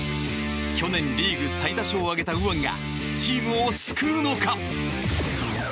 去年リーグ最多勝を挙げた右腕がチームを救うのか？